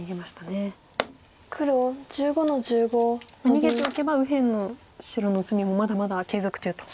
逃げておけば右辺の白の攻めもまだまだ継続中と。